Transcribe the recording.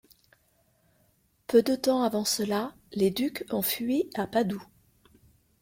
Peu de temps avant cela, les ducs ont fui à Padoue.